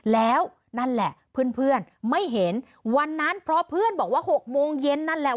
แล้วนั่นแหละเพื่อนเพื่อนไม่เห็นวันนั้นเพราะเพื่อนบอกว่า๖โมงเย็นนั่นแหละ